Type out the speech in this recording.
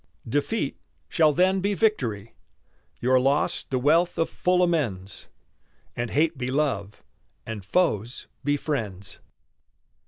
Defeat shall then be victory, Your loss the wealth of full amends, And hate be love, and foes be friends.